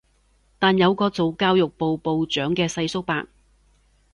但有個做教育部部長嘅世叔伯